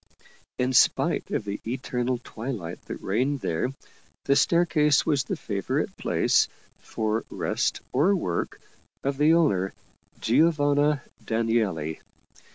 In spite of the eternal twilight that reigned there, the staircase was the favorite place, for rest or work, of the owner, Giovanna Danieli.